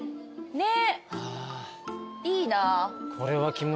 ねっ。